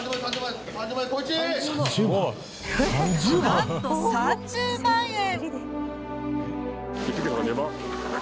なんと、３０万円！